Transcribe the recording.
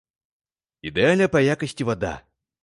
Ідэальная па якасці вада.